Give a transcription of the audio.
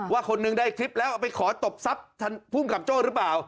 ว่าคนหนึ่งได้คลิปแล้วไปขอตบทรัพย์พจหรือเปล่า